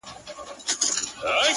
زلفي او باڼه اشــــــنـــــــــــا ـ